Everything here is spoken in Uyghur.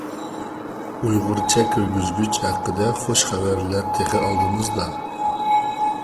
ئۇيغۇرچە كىرگۈزگۈچ ھەققىدە خۇش خەۋەرلەر تېخى ئالدىمىزدا!